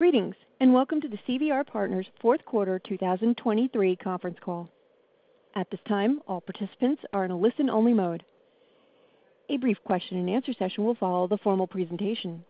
Greetings and welcome to the CVR Partners fourth quarter 2023 conference call. At this time, all participants are in a listen-only mode. A brief question-and-answer session will follow the formal presentation.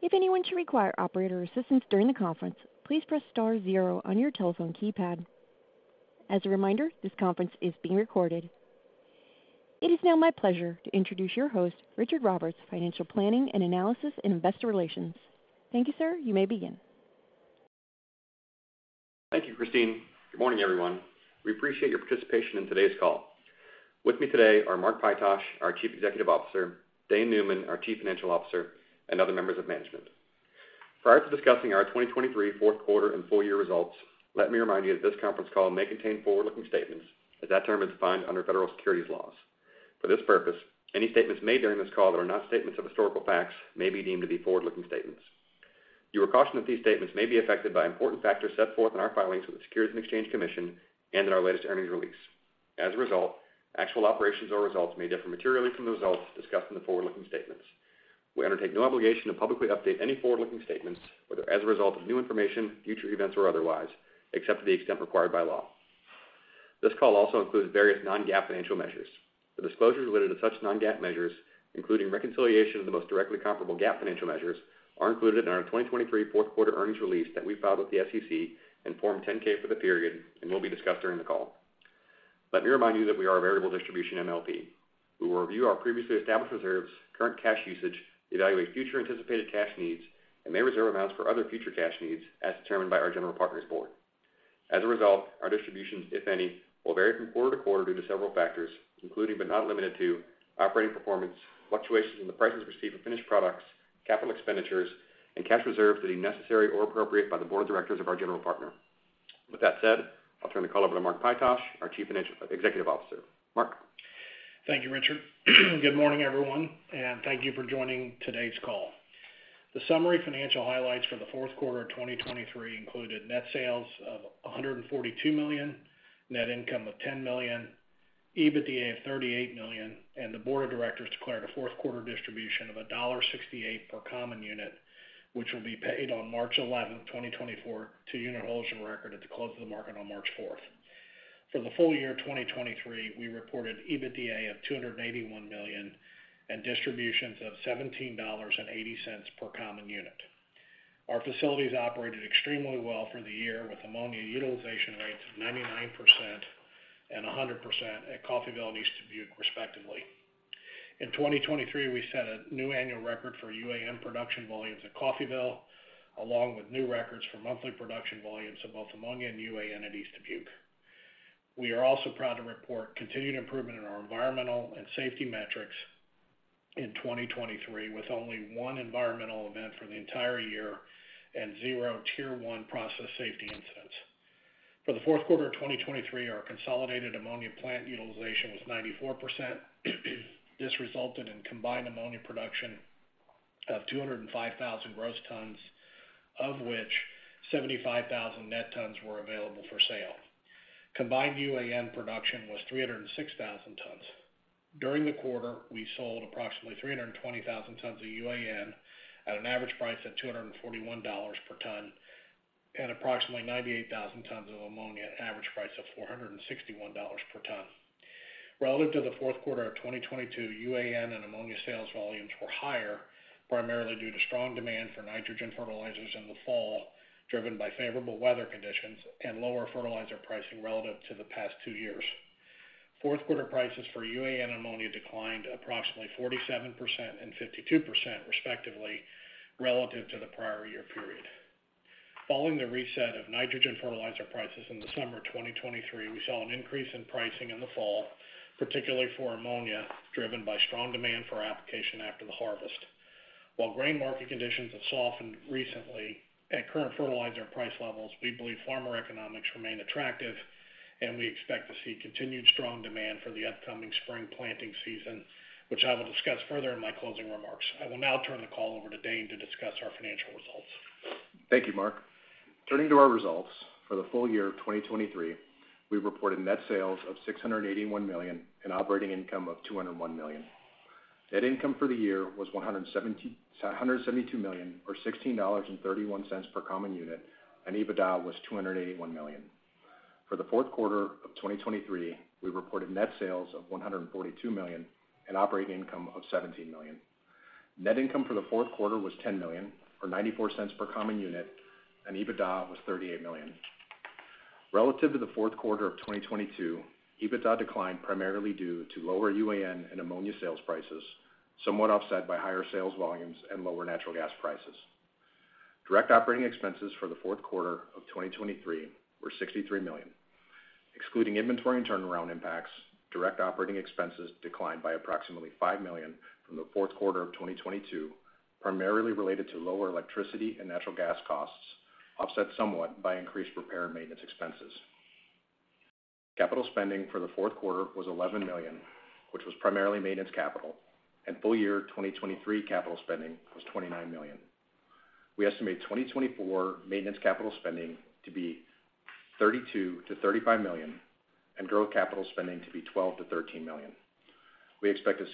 If anyone should require operator assistance during the conference, please press star zero on your telephone keypad. As a reminder, this conference is being recorded. It is now my pleasure to introduce your host, Richard Roberts, Financial Planning and Analysis in Investor Relations. Thank you, sir. You may begin. Thank you, Christine. Good morning, everyone. We appreciate your participation in today's call. With me today are Mark Pytosh, our Chief Executive Officer; Dane Neumann, our Chief Financial Officer; and other members of management. Prior to discussing our 2023 fourth quarter and full-year results, let me remind you that this conference call may contain forward-looking statements as that term is defined under federal securities laws. For this purpose, any statements made during this call that are not statements of historical facts may be deemed to be forward-looking statements. You are cautioned that these statements may be affected by important factors set forth in our filings with the Securities and Exchange Commission and in our latest earnings release. As a result, actual operations or results may differ materially from the results discussed in the forward-looking statements. We undertake no obligation to publicly update any forward-looking statements, whether as a result of new information, future events, or otherwise, except to the extent required by law. This call also includes various non-GAAP financial measures. The disclosures related to such non-GAAP measures, including reconciliation of the most directly comparable GAAP financial measures, are included in our 2023 fourth quarter earnings release that we filed with the SEC and Form 10-K for the period and will be discussed during the call. Let me remind you that we are a variable distribution MLP. We will review our previously established reserves, current cash usage, evaluate future anticipated cash needs, and may reserve amounts for other future cash needs as determined by our general partners' board. As a result, our distributions, if any, will vary from quarter to quarter due to several factors, including but not limited to operating performance, fluctuations in the prices received for finished products, capital expenditures, and cash reserves that deem necessary or appropriate by the board of directors of our general partner. With that said, I'll turn the call over to Mark Pytosh, our Chief Executive Officer. Mark. Thank you, Richard. Good morning, everyone, and thank you for joining today's call. The summary financial highlights for the fourth quarter of 2023 included net sales of $142 million, net income of $10 million, EBITDA of $38 million, and the board of directors declared a fourth quarter distribution of $1.68 per common unit, which will be paid on March 11, 2024, to unit holders on record at the close of the market on March 4th. For the full year 2023, we reported EBITDA of $281 million and distributions of $17.80 per common unit. Our facilities operated extremely well for the year, with ammonia utilization rates of 99% and 100% at Coffeyville and East Dubuque, respectively. In 2023, we set a new annual record for UAN production volumes at Coffeyville, along with new records for monthly production volumes of both ammonia and UAN at East Dubuque. We are also proud to report continued improvement in our environmental and safety metrics in 2023, with only one environmental event for the entire year and zero Tier 1 Process Safety Incidents. For the fourth quarter of 2023, our consolidated ammonia plant utilization was 94%. This resulted in combined ammonia production of 205,000 gross tons, of which 75,000 net tons were available for sale. Combined UAN production was 306,000 tons. During the quarter, we sold approximately 320,000 tons of UAN at an average price of $241 per ton and approximately 98,000 tons of ammonia at an average price of $461 per ton. Relative to the fourth quarter of 2022, UAN and ammonia sales volumes were higher, primarily due to strong demand for nitrogen fertilizers in the fall driven by favorable weather conditions and lower fertilizer pricing relative to the past two years. Fourth quarter prices for UAN and ammonia declined approximately 47% and 52%, respectively, relative to the prior year period. Following the reset of nitrogen fertilizer prices in the summer of 2023, we saw an increase in pricing in the fall, particularly for ammonia, driven by strong demand for application after the harvest. While grain market conditions have softened recently at current fertilizer price levels, we believe farmer economics remain attractive, and we expect to see continued strong demand for the upcoming spring planting season, which I will discuss further in my closing remarks. I will now turn the call over to Dane to discuss our financial results. Thank you, Mark. Turning to our results for the full year of 2023, we reported net sales of $681 million and operating income of $201 million. Net income for the year was $172 million, or $16.31 per common unit, and EBITDA was $281 million. For the fourth quarter of 2023, we reported net sales of $142 million and operating income of $17 million. Net income for the fourth quarter was $10 million, or $0.94 per common unit, and EBITDA was $38 million. Relative to the fourth quarter of 2022, EBITDA declined primarily due to lower UAN and ammonia sales prices, somewhat offset by higher sales volumes and lower natural gas prices. Direct operating expenses for the fourth quarter of 2023 were $63 million. Excluding inventory and turnaround impacts, direct operating expenses declined by approximately $5 million from the fourth quarter of 2022, primarily related to lower electricity and natural gas costs, offset somewhat by increased repair and maintenance expenses. Capital spending for the fourth quarter was $11 million, which was primarily maintenance capital, and full year 2023 capital spending was $29 million. We estimate 2024 maintenance capital spending to be $32 million-$35 million and growth capital spending to be $12 million-$13 million. We expect a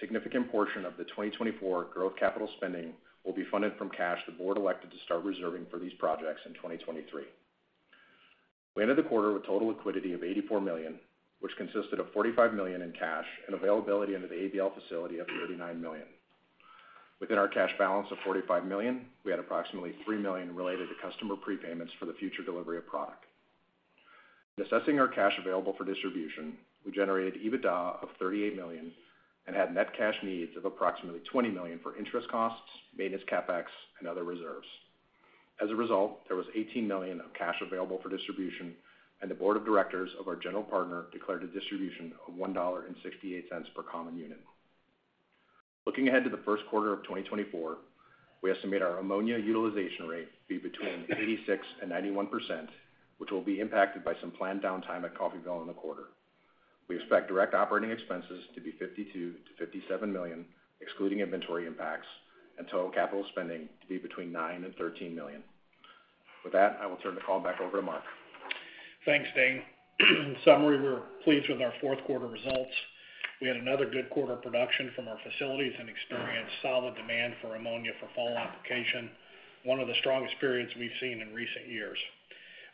significant portion of the 2024 growth capital spending will be funded from cash the board elected to start reserving for these projects in 2023. We ended the quarter with total liquidity of $84 million, which consisted of $45 million in cash and availability into the ABL facility of $39 million. Within our cash balance of $45 million, we had approximately $3 million related to customer prepayments for the future delivery of product. In assessing our cash available for distribution, we generated EBITDA of $38 million and had net cash needs of approximately $20 million for interest costs, maintenance CapEx, and other reserves. As a result, there was $18 million of cash available for distribution, and the board of directors of our general partner declared a distribution of $1.68 per common unit. Looking ahead to the first quarter of 2024, we estimate our ammonia utilization rate to be between 86%-91%, which will be impacted by some planned downtime at Coffeyville in the quarter. We expect direct operating expenses to be $52 million-$57 million, excluding inventory impacts, and total capital spending to be between $9 million-$13 million. With that, I will turn the call back over to Mark. Thanks, Dane. In summary, we're pleased with our fourth quarter results. We had another good quarter production from our facilities and experienced solid demand for ammonia for fall application, one of the strongest periods we've seen in recent years.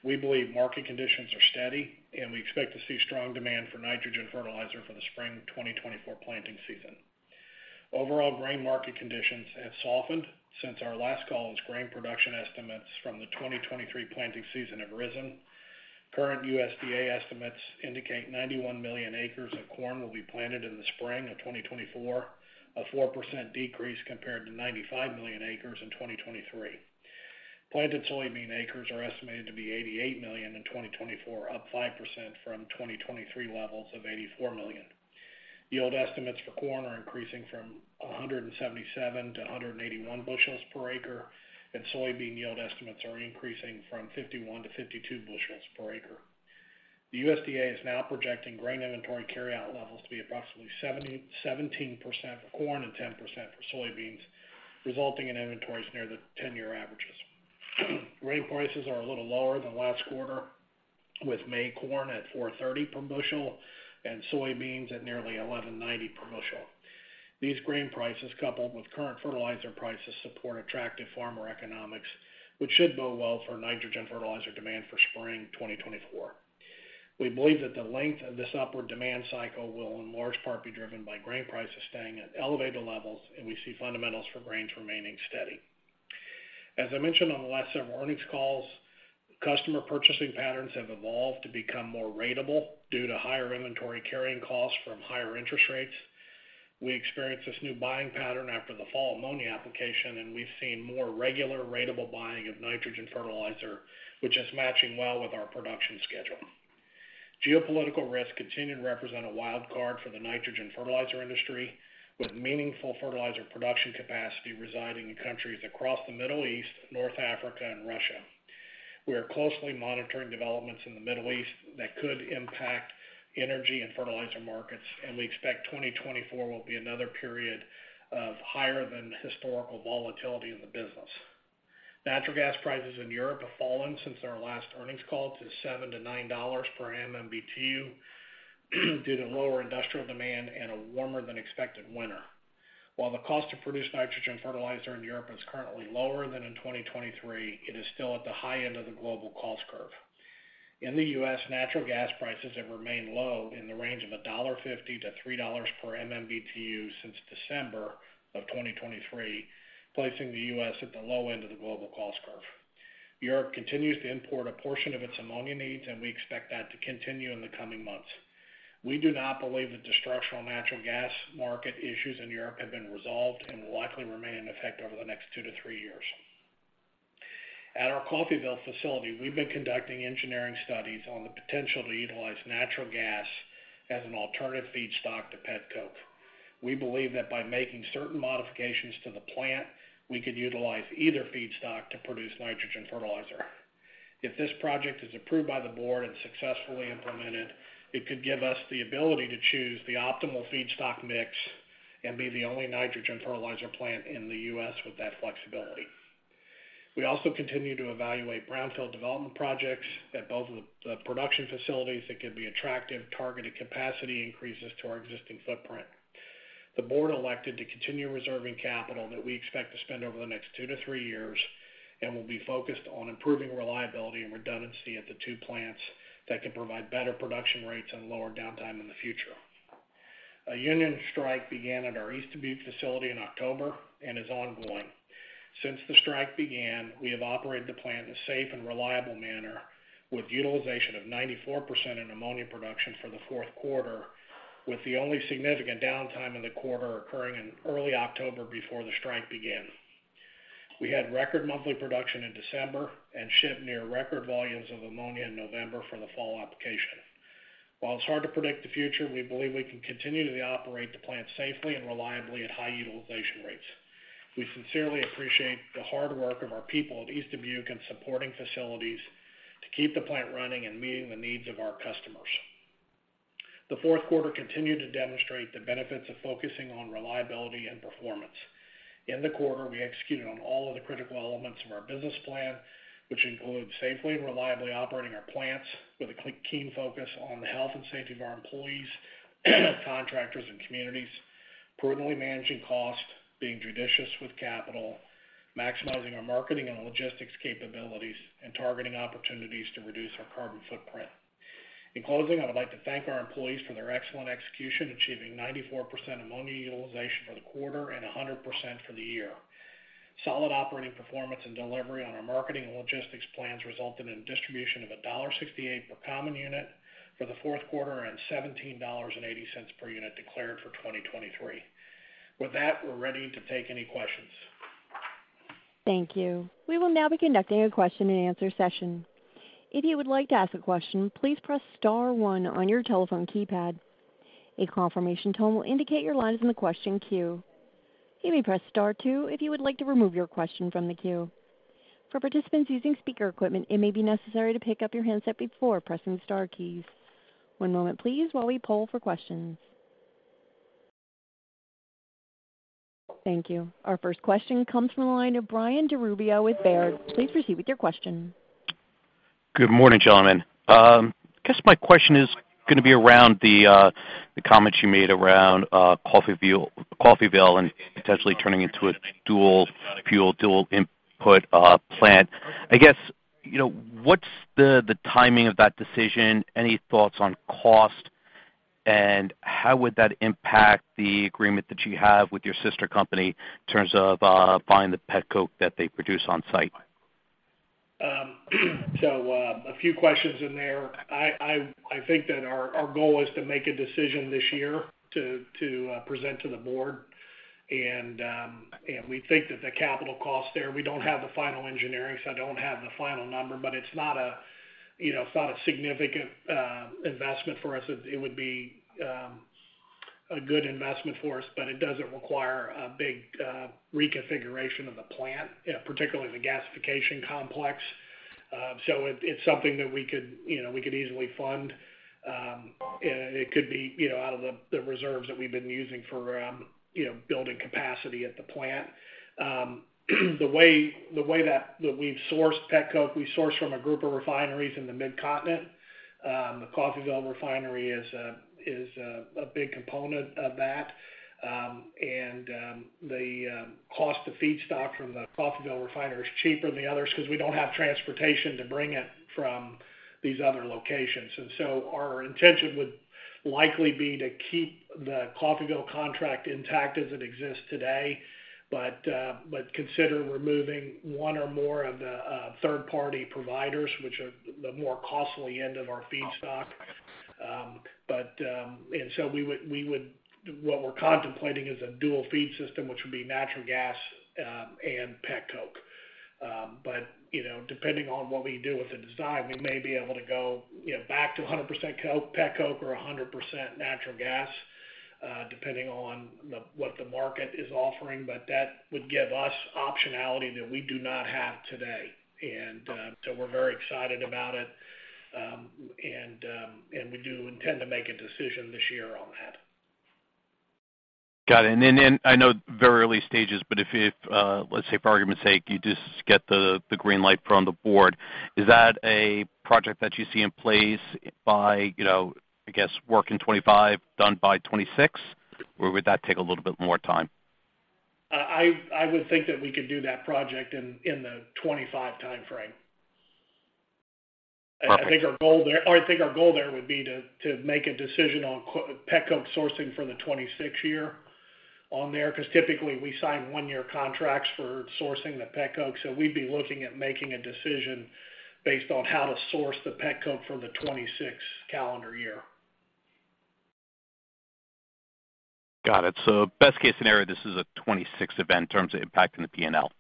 We believe market conditions are steady, and we expect to see strong demand for nitrogen fertilizer for the spring 2024 planting season. Overall, grain market conditions have softened since our last call as grain production estimates from the 2023 planting season have risen. Current USDA estimates indicate 91 million acres of corn will be planted in the spring of 2024, a 4% decrease compared to 95 million acres in 2023. Planted soybean acres are estimated to be 88 million in 2024, up 5% from 2023 levels of 84 million. Yield estimates for corn are increasing from 177 bushels-181 bushels per acre, and soybean yield estimates are increasing from 51 bushels-52 bushels per acre. The USDA is now projecting grain inventory carryout levels to be approximately 17% for corn and 10% for soybeans, resulting in inventories near the 10-year averages. Grain prices are a little lower than last quarter, with May corn at $4.30 per bushel and soybeans at nearly $11.90 per bushel. These grain prices, coupled with current fertilizer prices, support attractive farmer economics, which should bode well for nitrogen fertilizer demand for spring 2024. We believe that the length of this upward demand cycle will, in large part, be driven by grain prices staying at elevated levels, and we see fundamentals for grains remaining steady. As I mentioned on the last several earnings calls, customer purchasing patterns have evolved to become more ratable due to higher inventory carrying costs from higher interest rates. We experienced this new buying pattern after the fall ammonia application, and we've seen more regular ratable buying of nitrogen fertilizer, which is matching well with our production schedule. Geopolitical risks continue to represent a wild card for the nitrogen fertilizer industry, with meaningful fertilizer production capacity residing in countries across the Middle East, North Africa, and Russia. We are closely monitoring developments in the Middle East that could impact energy and fertilizer markets, and we expect 2024 will be another period of higher-than-historical volatility in the business. Natural gas prices in Europe have fallen since our last earnings call to $7-$9 per MMBtu due to lower industrial demand and a warmer-than-expected winter. While the cost to produce nitrogen fertilizer in Europe is currently lower than in 2023, it is still at the high end of the global cost curve. In the U.S., natural gas prices have remained low in the range of $1.50-$3 per MMBtu since December of 2023, placing the U.S. at the low end of the global cost curve. Europe continues to import a portion of its ammonia needs, and we expect that to continue in the coming months. We do not believe that destructive natural gas market issues in Europe have been resolved and will likely remain in effect over the next two to three years. At our Coffeyville facility, we've been conducting engineering studies on the potential to utilize natural gas as an alternative feedstock to pet coke. We believe that by making certain modifications to the plant, we could utilize either feedstock to produce nitrogen fertilizer. If this project is approved by the board and successfully implemented, it could give us the ability to choose the optimal feedstock mix and be the only nitrogen fertilizer plant in the U.S. with that flexibility. We also continue to evaluate brownfield development projects at both of the production facilities that could be attractive, targeted capacity increases to our existing footprint. The board elected to continue reserving capital that we expect to spend over the next 2 years-3 years and will be focused on improving reliability and redundancy at the two plants that can provide better production rates and lower downtime in the future. A union strike began at our East Dubuque facility in October and is ongoing. Since the strike began, we have operated the plant in a safe and reliable manner with utilization of 94% in ammonia production for the fourth quarter, with the only significant downtime in the quarter occurring in early October before the strike began. We had record monthly production in December and shipped near record volumes of ammonia in November for the fall application. While it's hard to predict the future, we believe we can continue to operate the plant safely and reliably at high utilization rates. We sincerely appreciate the hard work of our people at East Dubuque in supporting facilities to keep the plant running and meeting the needs of our customers. The fourth quarter continued to demonstrate the benefits of focusing on reliability and performance. In the quarter, we executed on all of the critical elements of our business plan, which include safely and reliably operating our plants with a keen focus on the health and safety of our employees, contractors, and communities, prudently managing cost, being judicious with capital, maximizing our marketing and logistics capabilities, and targeting opportunities to reduce our carbon footprint. In closing, I would like to thank our employees for their excellent execution, achieving 94% ammonia utilization for the quarter and 100% for the year. Solid operating performance and delivery on our marketing and logistics plans resulted in a distribution of $1.68 per common unit for the fourth quarter and $17.80 per unit declared for 2023. With that, we're ready to take any questions. Thank you. We will now be conducting a question-and-answer session. If you would like to ask a question, please press star one on your telephone keypad. A confirmation tone will indicate your line is in the question queue. You may press star two if you would like to remove your question from the queue. For participants using speaker equipment, it may be necessary to pick up your handset before pressing the star keys. One moment, please, while we poll for questions. Thank you. Our first question comes from the line of Brian DiRubbio with Baird. Please proceed with your question. Good morning, gentlemen. I guess my question is going to be around the comments you made around Coffeyville and potentially turning into a dual-fuel, dual-input plant. I guess, what's the timing of that decision? Any thoughts on cost, and how would that impact the agreement that you have with your sister company in terms of buying the pet coke that they produce on-site? So a few questions in there. I think that our goal is to make a decision this year to present to the board, and we think that the capital cost there we don't have the final engineering, so I don't have the final number, but it's not a significant investment for us. It would be a good investment for us, but it doesn't require a big reconfiguration of the plant, particularly the gasification complex. So it's something that we could easily fund, and it could be out of the reserves that we've been using for building capacity at the plant. The way that we've sourced pet coke, we source from a group of refineries in the Mid-Continent. The Coffeyville refinery is a big component of that, and the cost of feedstock from the Coffeyville refinery is cheaper than the others because we don't have transportation to bring it from these other locations. Our intention would likely be to keep the Coffeyville contract intact as it exists today but consider removing one or more of the third-party providers, which are the more costly end of our feedstock. What we're contemplating is a dual feed system, which would be natural gas and pet coke. Depending on what we do with the design, we may be able to go back to 100% pet coke or 100% natural gas, depending on what the market is offering, but that would give us optionality that we do not have today. We're very excited about it, and we do intend to make a decision this year on that. Got it. And then I know very early stages, but let's say, for argument's sake, you just get the green light from the board. Is that a project that you see in place by, I guess, work in 2025 done by 2026, or would that take a little bit more time? I would think that we could do that project in the 2025 timeframe. I think our goal there or I think our goal there would be to make a decision on pet coke sourcing for the 2026 year on there because typically, we sign one-year contracts for sourcing the pet coke. So we'd be looking at making a decision based on how to source the pet coke for the 2026 calendar year. Got it. So best-case scenario, this is a 2026 event in terms of impacting the P&L.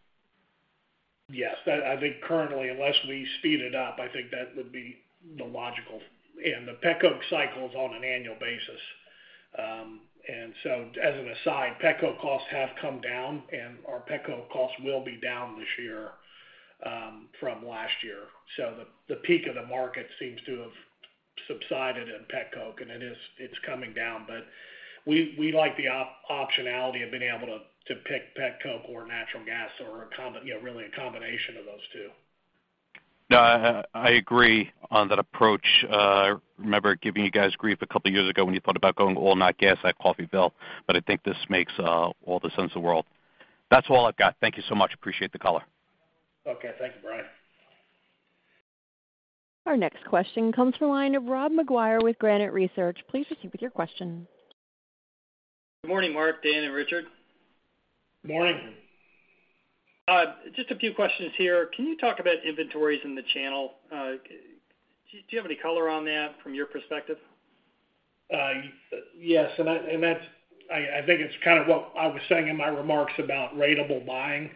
Yes. I think currently, unless we speed it up, I think that would be the logical and the pet coke cycle is on an annual basis. And so as an aside, pet coke costs have come down, and our pet coke costs will be down this year from last year. So the peak of the market seems to have subsided in pet coke, and it's coming down. But we like the optionality of being able to pick pet coke or natural gas or really a combination of those two. No, I agree on that approach. I remember giving you guys grief a couple of years ago when you thought about going oil, not gas, at Coffeyville, but I think this makes all the sense of the world. That's all I've got. Thank you so much. Appreciate the caller. Okay. Thank you, Brian. Our next question comes from the line of Rob McGuire with Granite Research. Please proceed with your question. Good morning, Mark, Dane, and Richard. Morning. Just a few questions here. Can you talk about inventories in the channel? Do you have any color on that from your perspective? Yes. And I think it's kind of what I was saying in my remarks about ratable buying.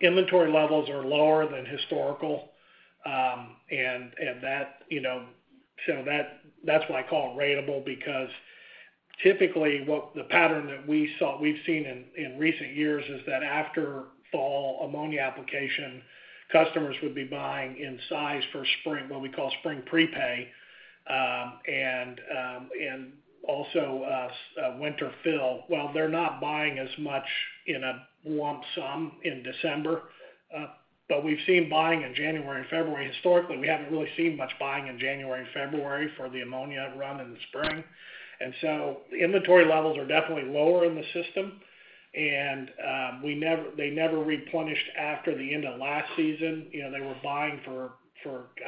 Inventory levels are lower than historical, and so that's why I call it ratable because typically, the pattern that we've seen in recent years is that after fall ammonia application, customers would be buying in size for spring, what we call spring prepay, and also winter fill. Well, they're not buying as much in a lump sum in December, but we've seen buying in January and February. Historically, we haven't really seen much buying in January and February for the ammonia run in the spring. And so inventory levels are definitely lower in the system, and they never replenished after the end of last season. They were buying for,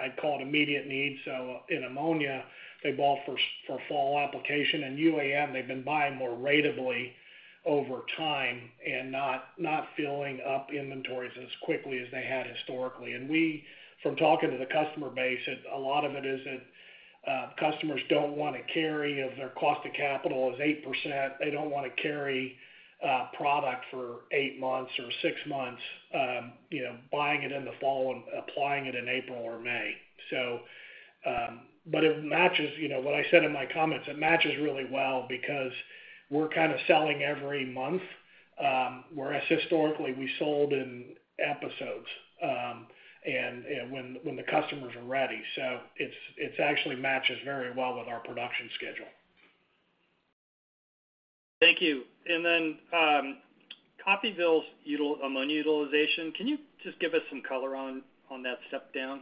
I'd call it, immediate needs. So in ammonia, they bought for fall application. In UAN, they've been buying more ratably over time and not filling up inventories as quickly as they had historically. From talking to the customer base, a lot of it is that customers don't want to carry if their cost of capital is 8%. They don't want to carry product for eight months or six months, buying it in the fall and applying it in April or May. But it matches what I said in my comments. It matches really well because we're kind of selling every month, whereas historically, we sold in episodes when the customers are ready. So it actually matches very well with our production schedule. Thank you. And then Coffeyville's ammonia utilization, can you just give us some color on that step down?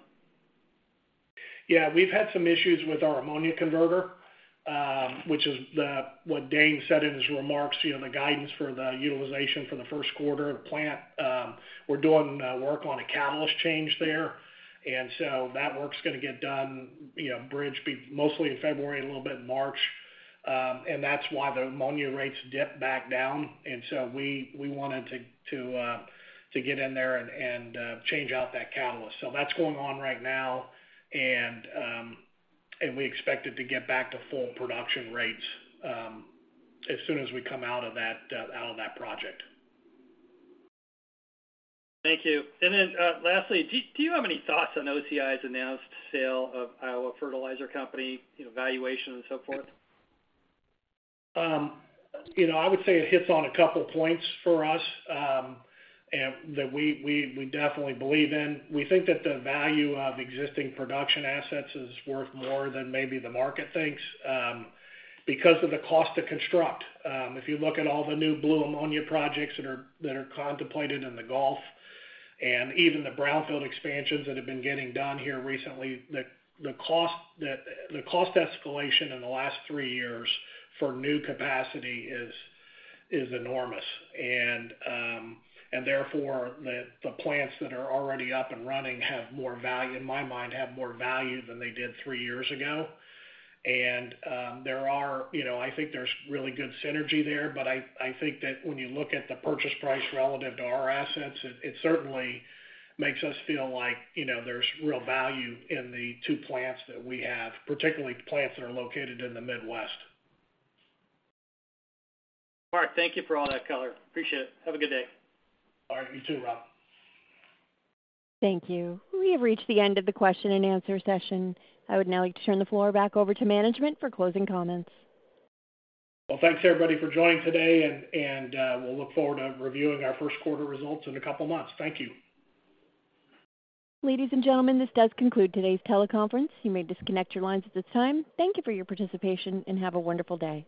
Yeah. We've had some issues with our ammonia converter, which is what Dane said in his remarks, the guidance for the utilization for the first quarter of the plant. We're doing work on a catalyst change there, and so that work's going to get done, [bridge], mostly in February, a little bit in March. And that's why the ammonia rates dipped back down. And so we wanted to get in there and change out that catalyst. So that's going on right now, and we expect it to get back to full production rates as soon as we come out of that project. Thank you. And then lastly, do you have any thoughts on OCI announced sale of Iowa Fertilizer Company, valuation, and so forth? I would say it hits on a couple of points for us that we definitely believe in. We think that the value of existing production assets is worth more than maybe the market thinks because of the cost to construct. If you look at all the new blue ammonia projects that are contemplated in the Gulf and even the brownfield expansions that have been getting done here recently, the cost escalation in the last three years for new capacity is enormous. And therefore, the plants that are already up and running have more value, in my mind, have more value than they did three years ago. I think there's really good synergy there, but I think that when you look at the purchase price relative to our assets, it certainly makes us feel like there's real value in the two plants that we have, particularly plants that are located in the Midwest. Mark, thank you for all that color. Appreciate it. Have a good day. All right. You too, Rob. Thank you. We have reached the end of the question-and-answer session. I would now like to turn the floor back over to management for closing comments. Well, thanks, everybody, for joining today, and we'll look forward to reviewing our first quarter results in a couple of months. Thank you. Ladies and gentlemen, this does conclude today's teleconference. You may disconnect your lines at this time. Thank you for your participation, and have a wonderful day.